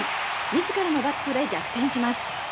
自らのバットで逆転します。